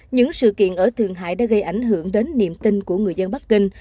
những sự kiện ở thường hải đã gây ảnh hưởng đến niềm tin của người dân bắc kinh